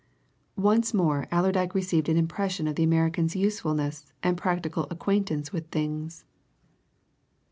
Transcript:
Once more Allerdyke received an impression of the American's usefulness and practical acquaintance with things.